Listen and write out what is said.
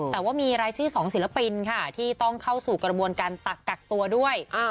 แต่ว่ามีรายชื่อ๒ศิลปินค่ะที่ต้องเข้าสู่กระบวนการกักตัวด้วย